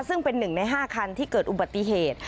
ซึ่งเป็น๑ใน๕คันที่เกิดอุบัติเหตุ